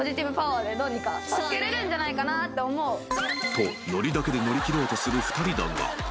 ［とノリだけで乗り切ろうとする２人だが］